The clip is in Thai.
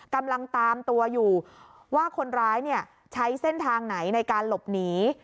กำลังตามตัวอยู่ว่าคนร้ายใช้เส้นทางไหนในการหลบหนี